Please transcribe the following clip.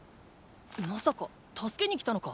まさか助けに来たのか？